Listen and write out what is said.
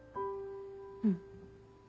うん。